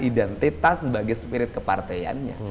identitas sebagai spirit kepartaiannya